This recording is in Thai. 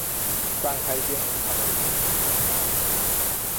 สั่งไข่เจียวหมูสับได้หมูชิ้น เศร้าใจ